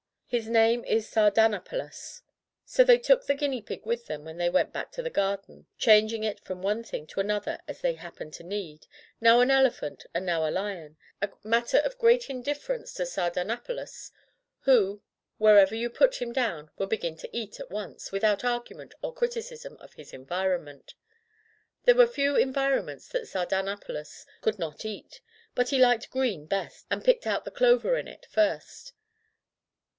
His name is Sardanapalus.'* So they took the guinea pig with them when they went back to the garden^ chang ing it from one thing to another as they hap pened to need, now an elephant and now a lion — z matter of great indifference to Sardanapalus, who, wherever you put him down, would begin to eat at once, without argument or criticism of his environment. There were few environments that Sardan apalus could not eat, but he liked green best, and picked out the clover in it first.